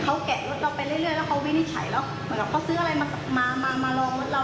เขาแกะรถเราไปเรื่อยแล้วเขาวินิจฉัยแล้วเหมือนกับเขาซื้ออะไรมามาลองรถเรา